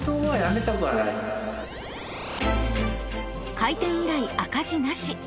［開店以来赤字なし］